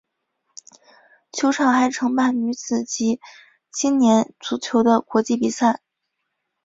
球场还承办女子及青年足球的国际比赛。